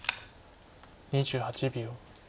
２８秒。